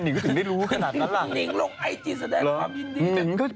หนิงโลกไอจีนแสดงความยินยา